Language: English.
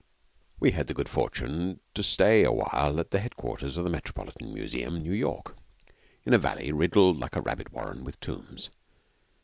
We had the good fortune to stay a while at the Headquarters of the Metropolitan Museum (New York) in a valley riddled like a rabbit warren with tombs.